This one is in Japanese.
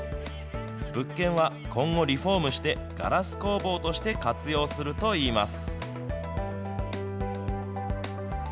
物件は今後リフォームして、ガラス工房として活用するといいます。